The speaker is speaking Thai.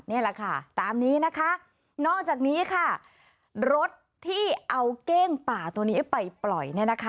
นี่แหละค่ะตามนี้นะคะนอกจากนี้ค่ะรถที่เอาเก้งป่าตัวนี้ไปปล่อยเนี่ยนะคะ